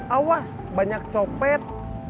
awas banyak copet